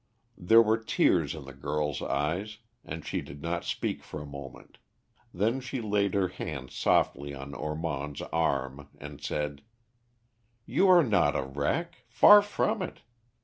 There were tears in the girl's eyes, and she did not speak for a moment, then she laid her hand softly on Ormond's arm, and said, "You are not a wreck, far from it.